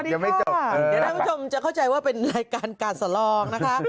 ยังไม่จบเดี๋ยวท่านผู้ชมจะเข้าใจว่าเป็นรายการกาดสลองนะคะ